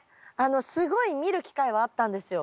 すごい見る機会はあったんですよ。